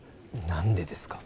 何でですか？